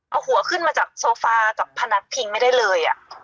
เอาหัวขึ้นมาจากโซฟากับพนักพิงไม่ได้เลย